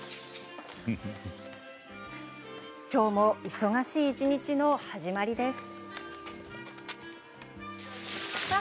今日も、忙しい一日の始まりです。